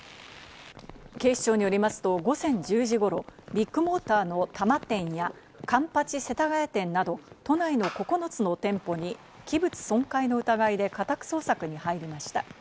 警視庁によりますと午前１０時ごろ、ビッグモーターの多摩店や環八世田谷店など、都内の９つの店舗に器物損壊の疑いで家宅捜索に入りました。